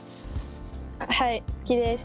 はい好きです。